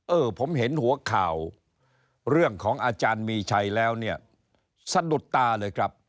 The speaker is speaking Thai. เออผมเห็นหัวข่าวเรื่องของอาจารย์มีชัยแล้วเนี่ยสะดุดตาเลยครับ